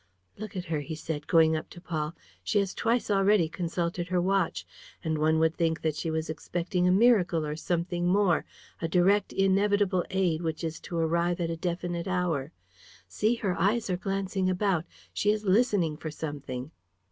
"Look at her," he said, going up to Paul. "She has twice already consulted her watch. Any one would think that she was expecting a miracle or something more, a direct, inevitable aid which is to arrive at a definite hour. See, her eyes are glancing about. ... She is listening for something.